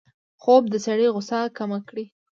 خوب د سړي غوسه کمه کړي